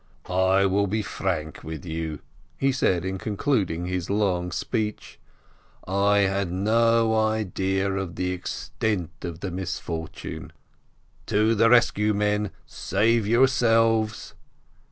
"I will be frank with you," he said in concluding his long speech, "I had no idea of the extent of the mis fortune ! To the rescue, men, save yourselves